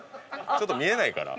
ちょっと見えないから。